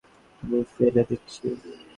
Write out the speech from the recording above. আমি ফেলে দিচ্ছি।